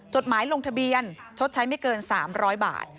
จดหมายลงทะเบียนชดใช้ไม่เกิน๓๐๐บาท